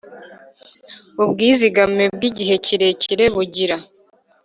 Ubwizigame bw igihe kirekire bugira